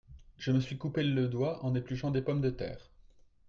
Je me suis coupé le doigt en épluchant des pommes-de-terre.